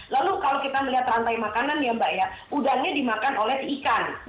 lalu kalau kita melihat rantai makanan ya mbak ya udangnya dimakan oleh ikan